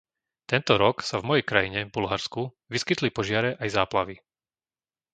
Tento rok sa v mojej krajine, Bulharsku, vyskytli požiare aj záplavy.